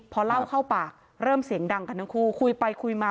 พอเล่าเข้าปากเริ่มเสียงดังกันทั้งคู่คุยไปคุยมา